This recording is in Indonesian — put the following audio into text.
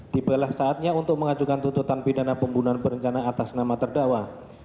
dibelah saatnya untuk mengajukan tuntutan pidana pembunuhan berencana atas nama terdakwa